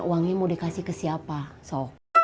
uangnya mau dikasih ke siapa so